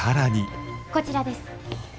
こちらです。